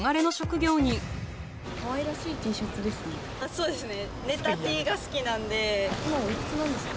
そうですね